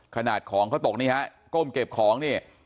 ขนาดของเขาตกนี่ฮะก้มเก็บของนี่